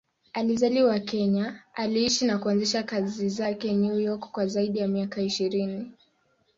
Alizaliwa Kenya, aliishi na kuanzisha kazi zake New York kwa zaidi ya miaka ishirini.